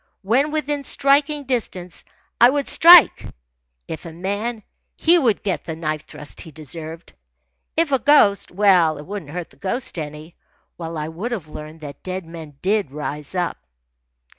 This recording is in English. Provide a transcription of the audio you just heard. When within striking distance, I would strike. If a man, he would get the knife thrust he deserved. If a ghost, well, it wouldn't hurt the ghost any, while I would have learned that dead men did rise up.